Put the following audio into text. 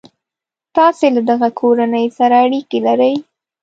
تاسي له دغه کورنۍ سره اړیکي لرئ.